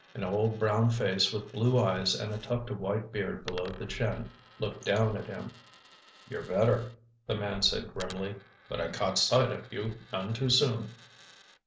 An old brown face with blue eyes and a tuft of white beard below the chin looked down at him. "You're better," the man said grimly. "But I caught sight of you none too soon."